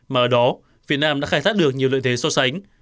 mà ở đó việt nam đã khai thác được nhiều lợi thế so sánh